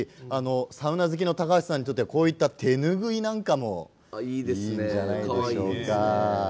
サウナ好きの高橋さんにとっては手拭いなんかもいいんじゃないですか。